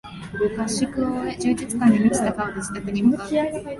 合宿を終え充実感に満ちた顔で自宅に向かう